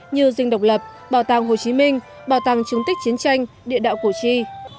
như dinh độc lập bảo tàng hồ chí minh bảo tàng chứng tích chiến tranh địa đạo cổ chi